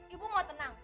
ibu mau tenang